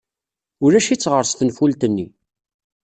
Ulac-itt ɣer-s tenfult-nni.